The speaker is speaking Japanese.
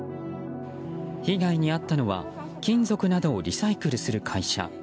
被害に遭ったのは金属などをリサイクルする会社。